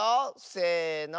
せの。